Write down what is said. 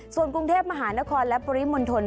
ส่วนกรุงเทพมหานครและปริมณฑล